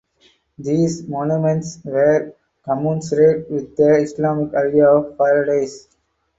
These monuments were commensurate with the Islamic idea of paradise.